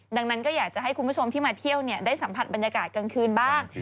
ดังนั้นก็อยากจะให้คุณผู้ชมที่มาเที่ยวได้สัมผัสบรรยากาศกลางคืนบ้าง